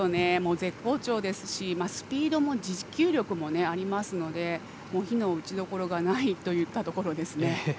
絶好調ですしスピードも持久力もありますので非の打ちどころがないといったところですね。